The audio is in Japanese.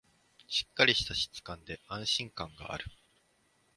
しっかりした質感で安心感がある